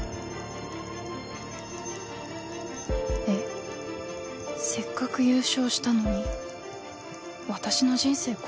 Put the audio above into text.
えっせっかく優勝したのに私の人生